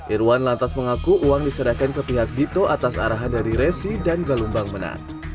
irwan lantas mengaku uang diserahkan ke pihak dito atas arahan dari resi dan galumbang menang